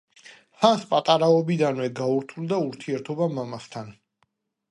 ჰანს პატარაობიდანვე გაურთულდა ურთიერთობა მამასთან.